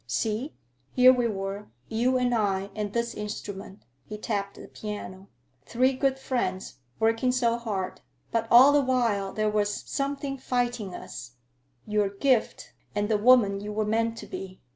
See, here we were, you and I and this instrument,"—he tapped the piano,—"three good friends, working so hard. But all the while there was something fighting us: your gift, and the woman you were meant to be.